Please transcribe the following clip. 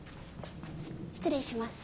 失礼します。